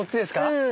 うん。